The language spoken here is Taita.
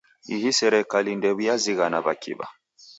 Ihi serikali ndeyaw'iazighana w'akiw'a.